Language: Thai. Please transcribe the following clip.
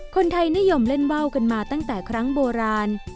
คนไทยนิยมเล่นว่าวกันมาตั้งแต่ครั้งโบราณ